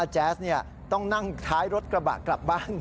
ใช่ค่ะ